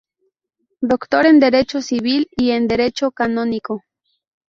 Doctor en Derecho Civil y en Derecho Canónico.